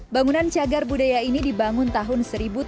bangunan cagar budaya ini dibangun tahun seribu tujuh ratus